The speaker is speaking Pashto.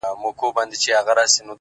• اوس به له چا سره کیسه د شوګیریو کوم ,